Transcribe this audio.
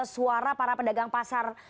suara para pedagang pasar